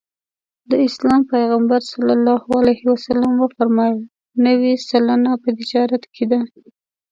د اسلام پیغمبر ص وفرمایل نوې سلنه په تجارت کې ده.